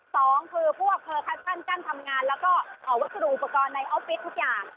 สองคือพวกเพอร์คชั่นกั้นทำงานแล้วก็วัสดุอุปกรณ์ในออฟฟิศทุกอย่าง